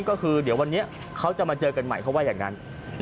ก็คือเดี๋ยววันนี้เขาจะมาเจอกันใหม่เขาว่าอย่างนั้น